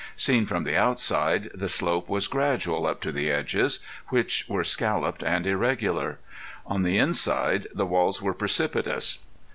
Seen from the outside the slope was gradual up to the edges, which were scalloped and irregular; on the inside the walls were precipitous.